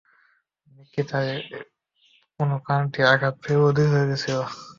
Mickey তার কোন কানটি আঘাত পেয়ে বধির হয়ে গিয়েছিল?